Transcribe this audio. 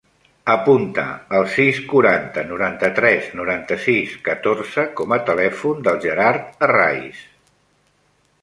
Apunta el sis, quaranta, noranta-tres, noranta-sis, catorze com a telèfon del Gerard Herraiz.